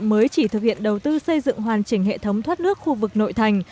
mới chỉ thực hiện đầu tư xây dựng hoàn chỉnh hệ thống thoát nước khu vực nội thành